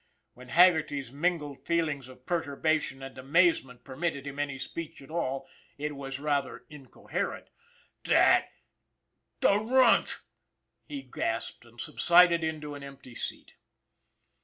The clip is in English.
When Haggerty's mingled feelings of perturbation and amazement permitted him any speech at all, it was rather incoherent. <e That the runt !" he gasped, and subsided into an empty seat.